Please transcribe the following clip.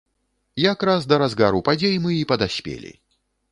Якраз да разгару падзей мы і падаспелі.